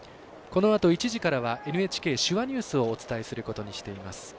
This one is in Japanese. このあと１時からは「ＮＨＫ手話ニュース」をお伝えすることにしています。